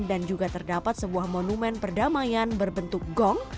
dan juga terdapat sebuah monumen perdamaian berbentuk gong